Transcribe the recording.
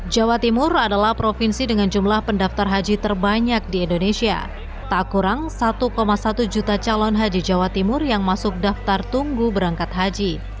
jawa timur adalah provinsi dengan jumlah pendaftar haji terbanyak di indonesia tak kurang satu satu juta calon haji jawa timur yang masuk daftar tunggu berangkat haji